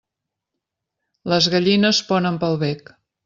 Les gallines ponen pel bec.